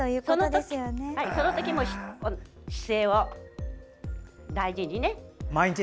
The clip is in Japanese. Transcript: そのときも姿勢を大事に。